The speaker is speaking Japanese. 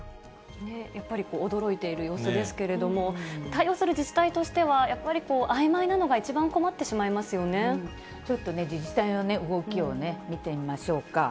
やっぱり驚いている様子ですけれども、対応する自治体としては、やっぱりあいまいなのが一番困ってしまちょっとね、自治体の動きをね、見てみましょうか。